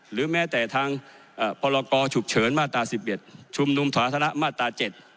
หรือแม้แต่ทางพรกรฉุกเฉินมาตรา๑๑ชุมนุมสาธารณะมาตรา๗